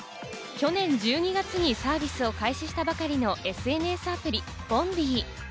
去年１２月にサービスを開始したばかりのＳＮＳアプリＢｏｎｄｅｅ。